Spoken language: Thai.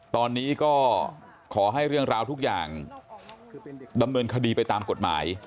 ตอนนี้ก็ขอให้เรื่องราวทุกอย่างดำเนินคดีไปตามกฎหมาย